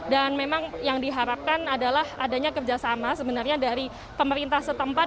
dan memang yang diharapkan adalah adanya kerjasama sebenarnya dari pemerintah setempat